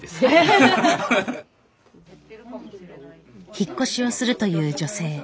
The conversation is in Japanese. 引っ越しをするという女性。